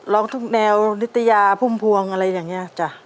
ร้องทุกแนวนิตยาพุ่มพวงอะไรอย่างนี้จ้ะ